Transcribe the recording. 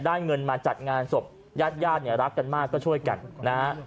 เงินมาจัดงานศพญาติญาติเนี่ยรักกันมากก็ช่วยกันนะฮะ